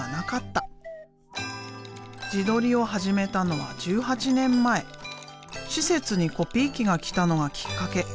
自撮りを始めたのは１８年前施設にコピー機が来たのがきっかけ。